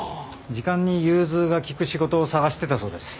時間に融通が利く仕事を探してたそうです。